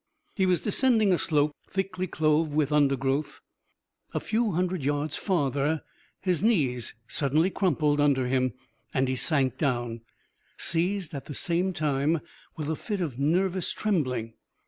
He was descending a slope, thickly clothed with undergrowth. A few hundred yards farther his knees suddenly crumpled under him and he sank down, seized at the same time with a fit of nervous trembling.